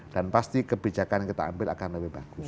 dan pasti kebijakan yang kita ambil akan lebih baik